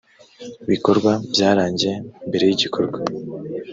bikorwa byarangiye mbere y igikorwa